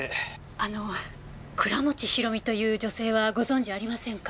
あの倉持広美という女性はご存じありませんか？